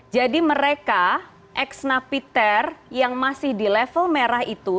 jadi mereka ex napiter yang masih di level merah itu